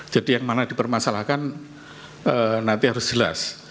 jadi yang mana dipermasalahkan nanti harus jelas